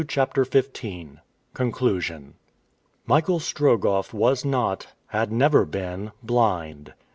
CHAPTER XV CONCLUSION MICHAEL STROGOFF was not, had never been, blind.